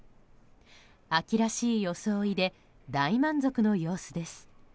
秋らしい装いで大満足の様子です。